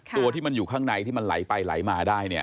ตัวที่มันอยู่ข้างในที่มันไหลไปไหลมาได้เนี่ย